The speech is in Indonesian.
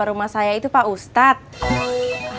rumah saya itu pak ustadz